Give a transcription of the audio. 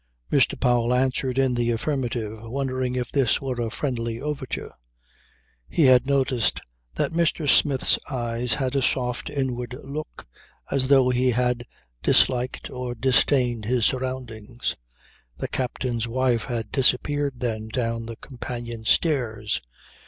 Mr. Powell answered in the affirmative, wondering if this were a friendly overture. He had noticed that Mr. Smith's eyes had a sort of inward look as though he had disliked or disdained his surroundings. The captain's wife had disappeared then down the companion stairs.